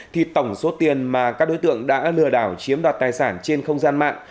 thì tổng số tiền mà các đối tượng đã lừa đảo chiếm đoạt tài sản trên không gian mạng